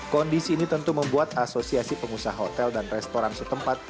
kondisi ini tentu membuat asosiasi pengusaha hotel dan restoran setempat